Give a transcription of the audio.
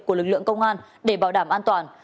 của lực lượng công an để bảo đảm an toàn